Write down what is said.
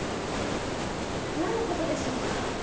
何の事でしょうか？